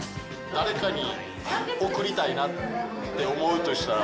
誰かに贈りたいなって思うとしたら？